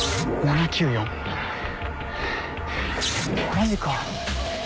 ・マジか。